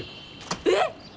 えっ！